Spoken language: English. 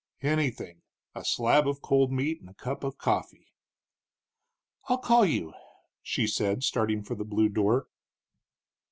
"Anything a slab of cold meat and a cup of coffee." "I'll call you," she said, starting for the blue door.